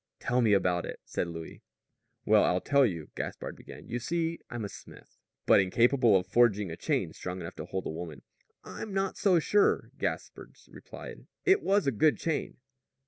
"Tell me about it," said Louis. "Well, I'll tell you," Gaspard began; "you see, I'm a smith." "But incapable of forging a chain strong enough to hold a woman." "I'm not so sure," Gaspard replied. "It was a good chain."